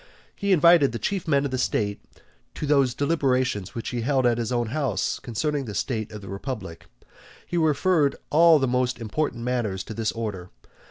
He invited the chief men of the state to those deliberations which he held at his own house concerning the state of the republic, he referred all the most important matters to this order.